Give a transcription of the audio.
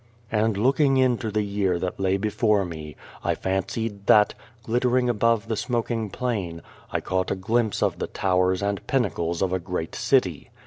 And looking into the year that lay before me, I fancied that glittering above the smoking plain I caught a glimpse of the 241 R A World towers and pinnacles of a great city.